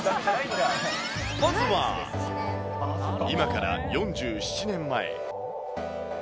まずは、今から４７年前。